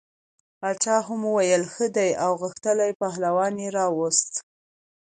باچا هم وویل ښه دی او غښتلی پهلوان یې راووست.